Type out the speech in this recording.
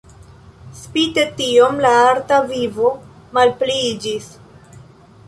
Spite tion la arta vivo malpliiĝis.